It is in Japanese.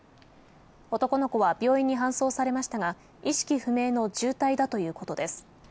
男の子は病院に搬送されましたが、意識不明の重体だということです。